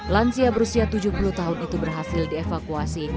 lansia berusia tujuh puluh tahun itu berhasil dievakuasi